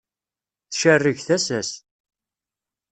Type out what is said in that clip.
Tcerreg tasa-s.